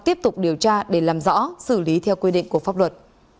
tiếp tục điều tra để làm rõ xử lý theo quy định của pháp luật